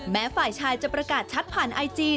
แม้ฝ่ายชายจะประกาศชัดผ่านไอจี